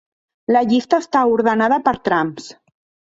La llista està ordenada per trams.